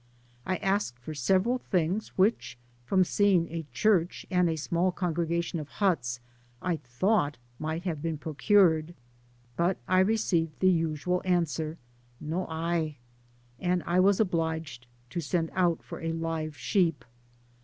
I asked for se veral things which, from sedng a church and a small congregation of huts, I thought might have been procured, but I received the usual answer, No hay,^ and I was obliged to send out for Digitized byGoogk THB PAMPAS. 851 a live fiheep.